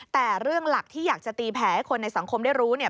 แต่เรื่องหลักที่อยากจะตีแผลให้คนในสังคมได้รู้เนี่ย